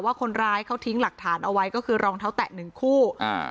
คนร้ายเขาทิ้งหลักฐานเอาไว้ก็คือรองเท้าแตะหนึ่งคู่อ่า